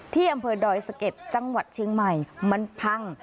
ที่อำเภอดอยสะเก็ดจังหวัดเชียงใหม่มันพัง